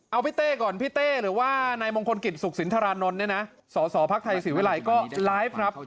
เอาพี่เต้ก่อนพี่เต้หรือว่านายมงคลกิจสุขสินทรานนท์เนี่ยนะสสพักไทยศรีวิรัยก็ไลฟ์ครับ